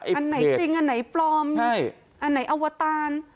อันไหนจริงอันไหนปลอมอันไหนอวตาร